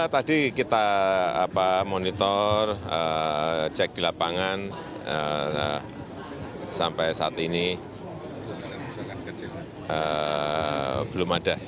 tadi kita monitor cek di lapangan sampai saat ini belum ada